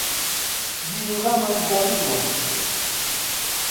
بیروڕامان گۆڕیوە.